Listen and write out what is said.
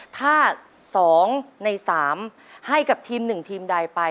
ถ้า๒ใน๓ให้กับทีม๑ทีมใดไป